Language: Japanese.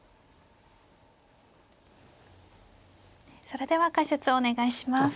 それでは解説をお願いします。